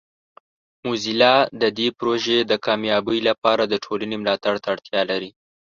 موزیلا د دې پروژې د کامیابۍ لپاره د ټولنې ملاتړ ته اړتیا لري.